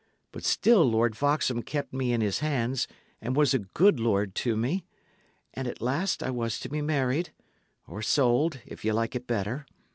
But still Lord Foxham kept me in his hands, and was a good lord to me. And at last I was to be married or sold, if ye like it better.